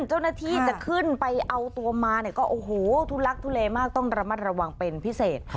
เจ้าหน้าที่จะขึ้นไปเอาตัวมาเนี่ยก็โอ้โหทุลักทุเลมากต้องระมัดระวังเป็นพิเศษ